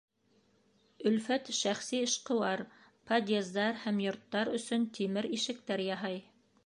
Өлфәт — шәхси эшҡыуар, подъездар һәм йорттар өсөн тимер ишектәр яһай.